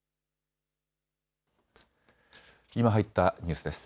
今入ったニュースです。